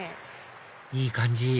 いい感じ